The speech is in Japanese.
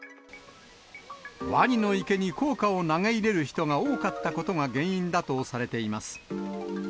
ワニの池に硬貨を投げ入れる人が多かったことが原因だとされています。